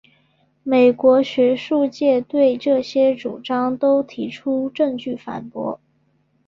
美国学术界对这些主张都提出证据反驳。